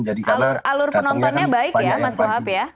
alur penontonnya baik ya mas mohaf ya